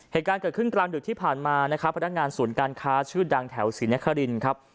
เหตุการณ์เกิดขึ้นกลางดึกที่ผ่านมานะครับพนักงานศูนย์การค้าชื่อดังแถวศรีนครินครับ